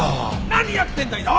何やってんだ井沢！